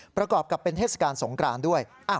ประกอบกับเป็นเทศกาลสงกรานด้วย